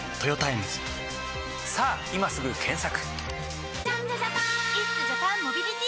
さぁ今すぐ検索！